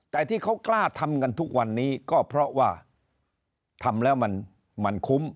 แต่ที่เขากล้าทำกันทุกวันนี้ก็เพราะว่าทำแล้วมันคุ้ม